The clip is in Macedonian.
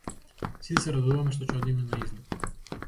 Сите се радуваме што ќе одиме на излет.